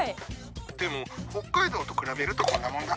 でも北海道と比べるとこんなもんだ。